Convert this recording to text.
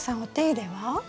お手入れは？